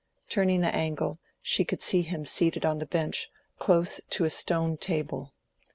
Turning the angle, she could see him seated on the bench, close to a stone table.